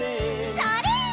それ！